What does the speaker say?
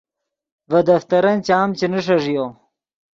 ڤے دفترن چام چے نیݰݱیو